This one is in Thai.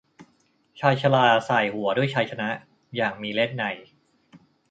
ชายชราส่ายหัวด้วยชัยชนะอย่างมีเลศนัย